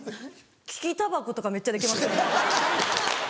利きたばことかめっちゃできますけどね。